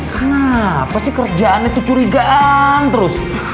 kenapa sih kerjaan itu curigaan terus